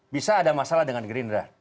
bisa ada masalah dengan gerindra